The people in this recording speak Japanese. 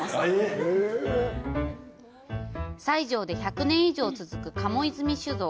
西条で１００年以上続く賀茂泉酒造。